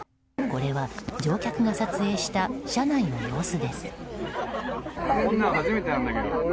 これは、乗客が撮影した車内の様子です。